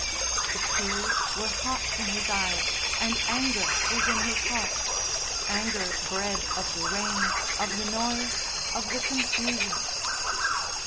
The tears were hot in his eyes and anger was in his heart anger bred of the rain, of the noise, of the confusion.